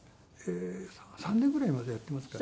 ３年ぐらいまでやっていますかね。